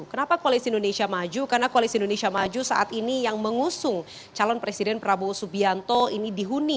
kenapa koalisi indonesia maju karena koalisi indonesia maju saat ini yang mengusung calon presiden prabowo subianto ini dihuni